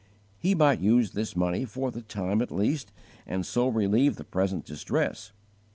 He might use this money for the time at least, and so relieve the present distress.